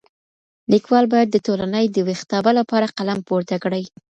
ليکوال بايد د ټولني د ويښتابه لپاره قلم پورته کړي.